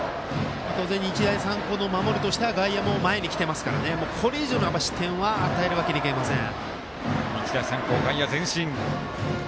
当然日大三高の守りとしては外野も前に来てますからこれ以上の点は与えるわけにはいきません。